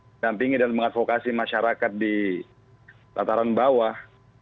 mengampingi dan mengadvokasi masyarakat di lataran bawah